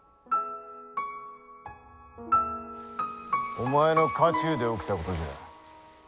お前の家中で起きたことじゃ。